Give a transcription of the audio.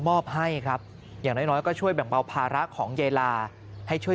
มอบให้ครับอย่างน้อยน้อยก็ช่วยแบ่งเบาภาระของยายลาให้ช่วย